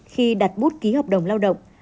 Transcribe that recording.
khi đặt bút ký hợp đồng lao động